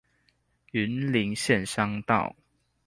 雲林縣鄉道